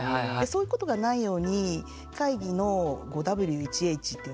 そういうことがないように会議の５Ｗ１Ｈっていうんですかね